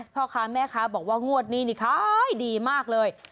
พ่อค้าแม่ค้าบอกว่างวดนี้นี่ขายดีมากเลย